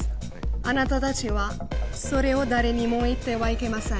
あなたたちはそれを誰にも言ってはいけません。